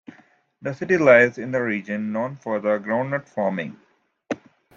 The city lies in a region known for groundnut farming.